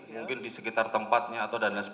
mungkin di sekitar tempatnya atau dll